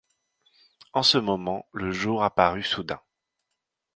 En ce moment le jour apparut soudain.